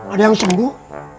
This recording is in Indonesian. ada yang sembuh